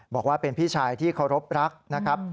บอกว่าเป็นพี่ชายที่เคารพรักนะครับ